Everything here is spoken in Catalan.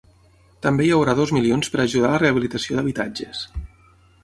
També hi haurà dos milions per ajudar a la rehabilitació d’habitatges.